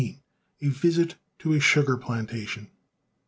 A VISIT TO A SUGAR PLANTATION.